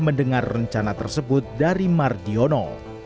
mendengar rencana tersebut dari mar diono